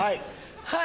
はい。